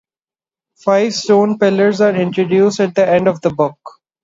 The Five Stone Pillars are introduced at the end of the book.